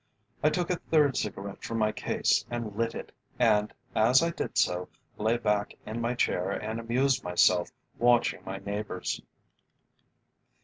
I took a third cigarette from my case and lit it, and as I did so, lay back in my chair and amused myself watching my neighbours.